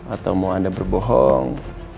atau mau anda berbohong